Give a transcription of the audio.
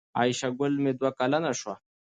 عایشه ګل مې دوه کلنه شو